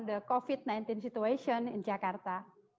terutama dalam situasi covid sembilan belas di jakarta